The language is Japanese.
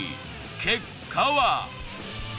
結果は？